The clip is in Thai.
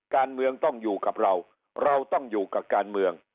การเมืองต้องอยู่กับเราเราต้องอยู่กับการเมือง